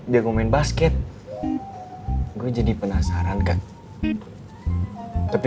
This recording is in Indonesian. sampai jumpa lagi